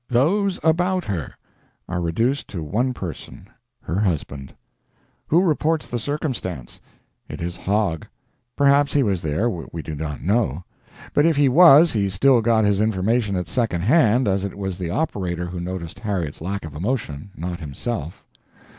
"Those about her" are reduced to one person her husband. Who reports the circumstance? It is Hogg. Perhaps he was there we do not know. But if he was, he still got his information at second hand, as it was the operator who noticed Harriet's lack of emotion, not himself.